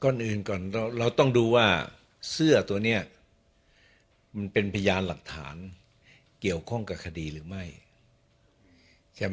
ก่อนอื่นก่อนเราต้องดูว่าเสื้อตัวนี้มันเป็นพยานหลักฐานเกี่ยวข้องกับคดีหรือไม่ใช่ไหม